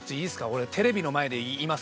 俺テレビの前で言います。